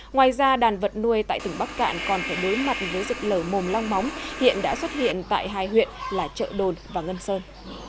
ngoài ra đàn vật nuôi tại tỉnh bắc cạn còn phải đối mặt với dịch lở mồm long móng hiện đã xuất hiện tại hai huyện là chợ đồn và ngân sơn